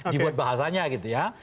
dibuat bahasanya gitu ya